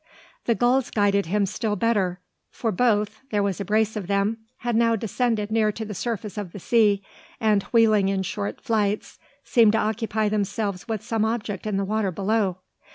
The gulls guided him still better; for both there was a brace of them had now descended near to the surface of the sea; and, wheeling in short flights, seemed to occupy themselves with some object in the water below.